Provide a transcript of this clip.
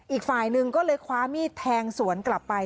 อีกฝ่ายหนึ่งก็เลยคว้ามีดแทงสวนกลับไป